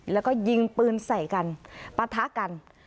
แล้วก็ยิงปืนใส่กันปะทะกัน